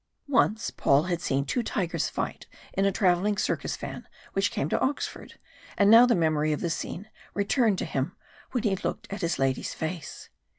Once Paul had seen two tigers fight in a travelling circus van which came to Oxford, and now the memory of the scene returned to him when he looked at his lady's face.